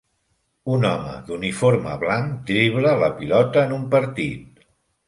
Un home d'uniforme blanc dribla la pilota en un partit.